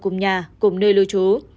cùng nhà cùng nơi lưu trú